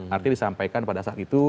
artinya disampaikan pada saat itu